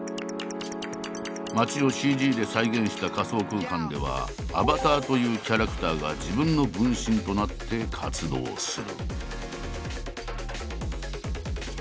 街をＣＧで再現した仮想空間では「アバター」というキャラクターが自分の「分身」となって活動する。